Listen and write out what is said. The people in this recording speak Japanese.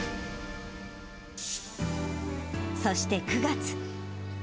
そして９月。